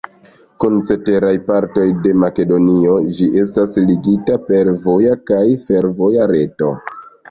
Kun ceteraj partoj de Makedonio ĝi estas ligita per voja kaj fervoja reto.